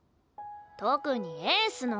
特にエースの。